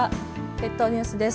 列島ニュースです。